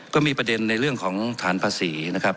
ก็มีประเด็นในเรื่องของฐานภาษีนะครับ